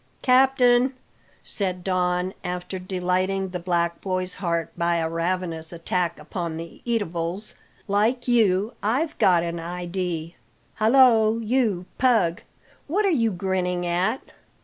"Captain," said Don, after delighting the black boy's heart by a ravenous attack upon the eatables, "like you, I've got an idee Hullo, you, Pug! What are you grinning at?"